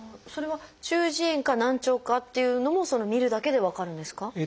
それは中耳炎か難聴かっていうのも診るだけで分かるんですか？